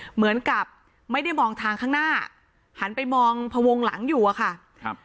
เหมือนกับไม่ได้มองทางข้างหน้าหันไปมองพวงหลังอยู่อะค่ะครับ